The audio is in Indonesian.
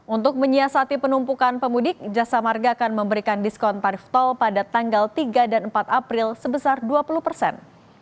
untuk menyiasati penumpukan pemudik jasa marga akan memberikan diskon tarif tol pada tanggal tiga dan empat april sebesar dua puluh persen